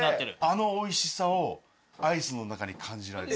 あのおいしさをアイスの中に感じられる。